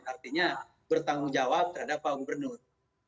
artinya bertanggung jawab terhadap pak gubernur